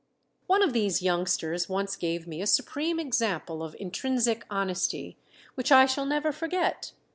One of these youngsters once gave me a supreme example of intrinsic honesty which I shall never forget.